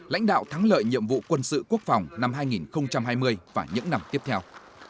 lãnh đạo thắng lợi nhiệm vụ quân sự quốc phòng năm hai nghìn hai mươi và những năm tiếp theo